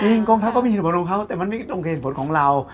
จริงกองทัพก็มีเหตุผลของเขาเหตุผลของเรา